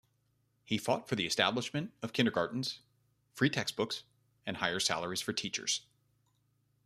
He fought for the establishment of kindergartens, free textbooks, and higher salaries for teachers.